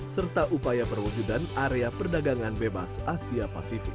serta upaya perwujudan area perdagangan bebas asia pasifik